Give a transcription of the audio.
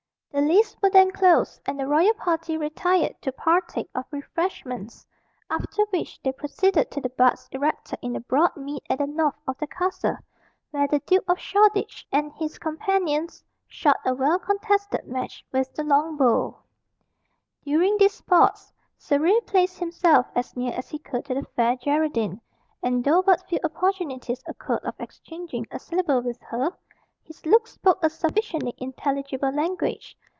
The lists were then closed, and the royal party retired to partake of refreshments; after which they proceeded to the butts erected in the broad mead at the north of the castle, where the Duke of Shoreditch and his companions shot a well contested match with the long bow. During these sports, Surrey placed himself as near as he could to the Fair Geraldine, and though but few opportunities occurred of exchanging a syllable with her, his looks spoke a sufficiently intelligible language.